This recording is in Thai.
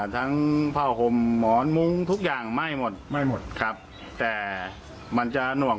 ทั้งผ้าห่มหมอนมุ้งทุกอย่างไหม้หมดไหม้หมดครับแต่มันจะหน่วง